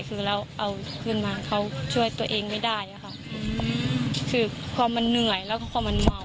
คือเราเอาขึ้นมาเขาช่วยตัวเองไม่ได้อะค่ะคือพอมันเหนื่อยแล้วก็พอมันเมา